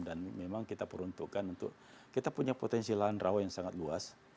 dan memang kita peruntukkan untuk kita punya potensi lahan rawa yang sangat luas